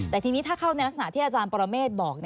แต่ทีนี้ถ้าเข้าในลักษณะที่อาจารย์ปรเมฆบอก